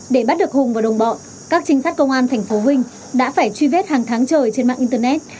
để bắt được hùng và đồng bọn các trinh sát công an tp vinh đã phải truy vết hàng tháng trời trên mạng internet